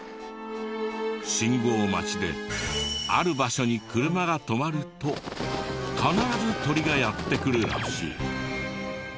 信号待ちである場所に車が止まると必ず鳥がやって来るらしい。